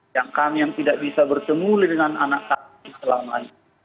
yang kami yang tidak bisa bertemu dengan anak kami selama ini